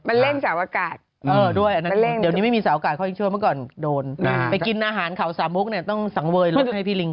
ไม่ผัดเห็นลิงไม่ผัดอยากซื้ออาหารของลุงไปให้ลิง